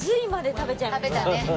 食べたね。